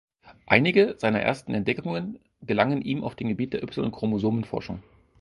Einige seiner ersten Entdeckungen gelangen ihm auf dem Gebiet der Y-Chromosomenforschung.